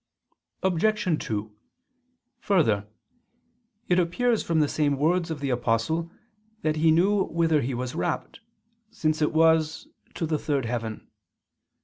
Obj. 2: Further, it appears from the same words of the Apostle that he knew whither he was rapt, since it was "to the third heaven."